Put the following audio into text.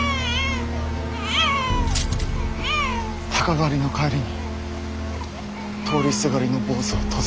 鷹狩りの帰りに通りすがりの坊主を突然。